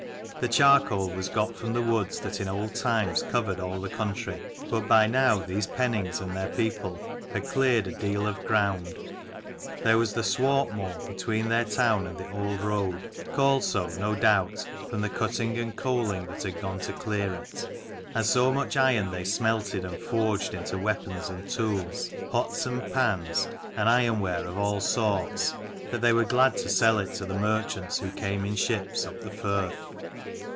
The charcoal was got from the woods that in old times covered all the country : but by now these Pennings and their people had cleared a deal of ground: there was the Swartmoor between their town and the old road, called so, no doubt, from the cutting and coaling that had gone to clear it. And so much iron they smelted and forged into weapons and tools, pots and pans, and iron ware of all sorts, that they were glad to sell it to the merchants who came in ships up the firth.